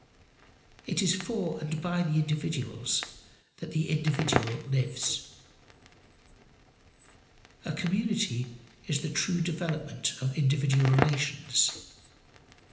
It is for and by the individuals that the individual lives. A community is the true development of individual relations.